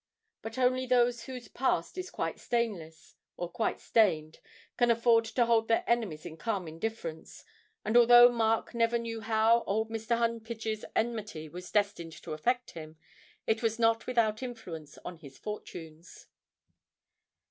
But only those whose past is quite stainless, or quite stained, can afford to hold their enemies in calm indifference, and although Mark never knew how old Mr. Humpage's enmity was destined to affect him, it was not without influence on his fortunes.